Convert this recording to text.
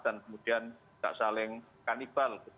dan kemudian tidak saling kanibal